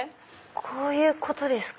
こういうことですか。